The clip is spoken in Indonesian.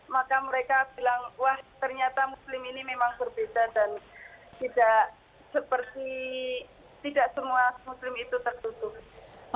maka mereka bilang wah ternyata muslim ini memang berbeda dan tidak seperti tidak semua muslim itu tertutup